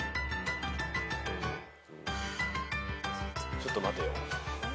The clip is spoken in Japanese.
ちょっと待てよ。